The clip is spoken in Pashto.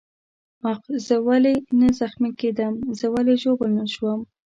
آخ، زه ولې نه زخمي کېدم؟ زه ولې ژوبل نه شوم؟